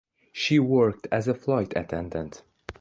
She worked as a flight attendant.